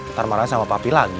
ntar marah sama papi lagi